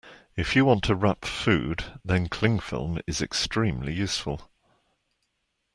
If you want to wrap food, then clingfilm is extremely useful